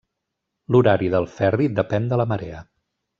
L'horari del ferri depèn de la marea.